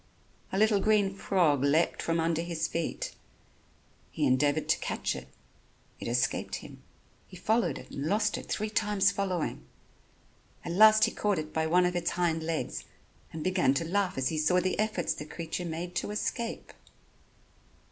A little green frog leapt from under his feet. He endeavored to catch it. It escaped him. He followed it and lost it three times following. At last he caught it by one of its hind legs and began to laugh as he saw the efforts the creature made to escape.